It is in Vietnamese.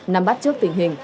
năm bắt trước tình hình